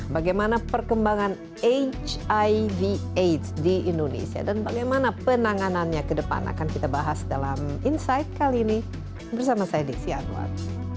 bagaimana perkembangan hiv aids di indonesia dan bagaimana penanganannya ke depan akan kita bahas dalam insight kali ini bersama saya desi anwar